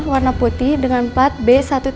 warna putih dengan plat b satu ratus tiga belas